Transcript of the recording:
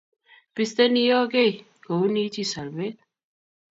bisten iyaw gei kouni ichi solwet